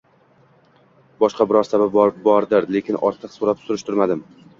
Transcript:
Boshqa biror sababi bordir. Lekin ortiq soʻrab-surishtirmadim.